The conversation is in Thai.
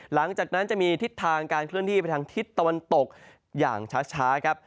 หลังจากนั้นจะมีทิศทางการเคลื่อนที่ไปทางทิศตะวันตกอย่างช้าครับ